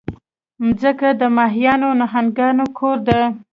مځکه د ماهیانو، نهنګانو کور ده.